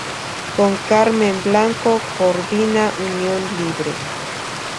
Con Carmen Blanco, coordina "Unión Libre.